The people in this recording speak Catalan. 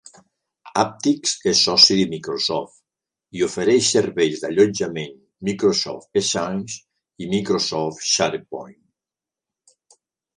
Apptix és soci de Microsoft, i ofereix serveis d'allotjament Microsoft Exchange i Microsoft SharePoint.